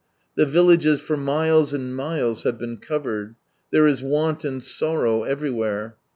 The villages for miles and miles have been covered. There is want and sorrow everywhere.